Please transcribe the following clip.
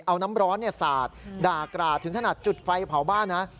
เอาน้ำร้อนสาดด่ากราดถึงขนาดจุดไฟเผาบ้านนะ